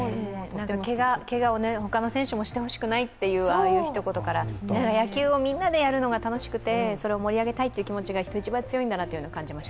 けがを他の選手もしたくないという一言から、野球をみんなでやるのが楽しくて、それを盛り上げたいという気持ちが人一倍強いなんだなと。